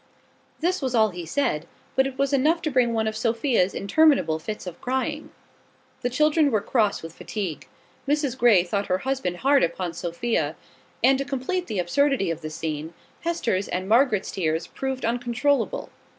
This was all he said, but it was enough to bring on one of Sophia's interminable fits of crying. The children were cross with fatigue: Mrs Grey thought her husband hard upon Sophia; and, to complete the absurdity of the scene, Hester's and Margaret's tears proved uncontrollable.